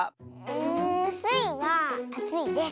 んスイはあついです。